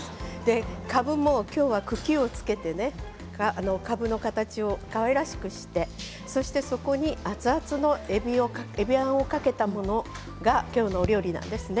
かぶもきょうは茎をつけてかぶの形をかわいらしくしてそこに熱々のえびあんをかけたものがきょうのお料理なんですね。